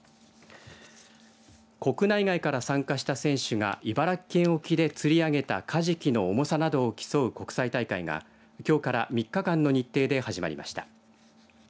国内外から参加した選手が茨城県沖で釣り上げたカジキの重さなどを競う国際大会が、きょうから３日間の日程で始まりました。